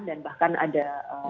dan bahkan ada apa